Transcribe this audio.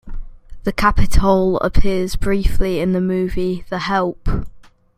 The Capitol appears briefly in the movie "The Help".